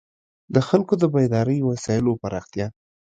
د خلکو د بېدارۍ وسایلو پراختیا.